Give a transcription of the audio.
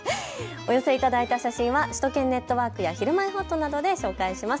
お寄せいただいた写真は首都圏ネットワークやひるまえほっとなどで紹介します。